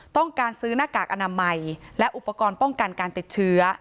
ต้องการซื้อหน้ากากอนามัยและอุปกรณ์ป้องกันการติดเชื้อ